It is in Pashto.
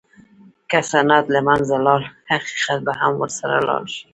که سند له منځه لاړ، حقیقت به هم ورسره لاړ شي.